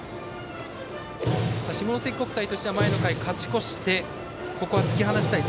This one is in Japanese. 下関国際としては前の回、勝ち越して突き放したい